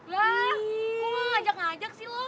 wah gue gak ngajak ngajak aja tuh